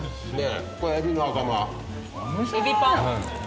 これエビの頭。